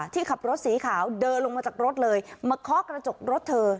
ที่ขับรถสีขาวเดินลงมาจากรถเลยมาเคาะกระจกรถเธอ